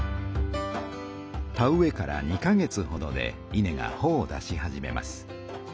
田植えから２か月ほどで稲がほを出し始めます。